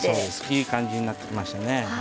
いい感じになってきましたね。